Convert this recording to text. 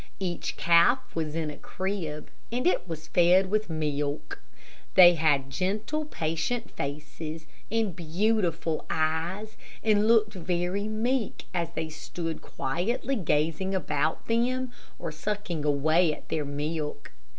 Each calf was in a crib, and it was fed with milk. They had gentle, patient faces, and beautiful eyes, and looked very meek, as they stood quietly gazing about them, or sucking away at their milk.